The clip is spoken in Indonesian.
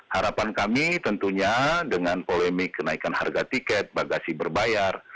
harapan kami tentunya dengan polemik kenaikan harga tiket bagasi berbayar